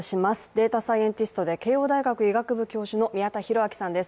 データサイエンティストで慶応大学医学部教授の宮田裕章さんです